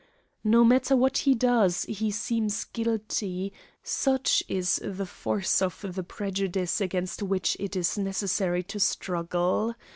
"No matter what he does, he seems guilty such is the force of the prejudice against which it is necessary to struggle.